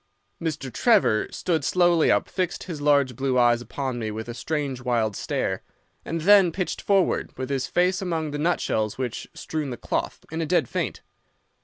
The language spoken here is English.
"Mr. Trevor stood slowly up, fixed his large blue eyes upon me with a strange wild stare, and then pitched forward, with his face among the nutshells which strewed the cloth, in a dead faint.